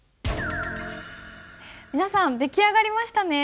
皆さん出来上がりましたね？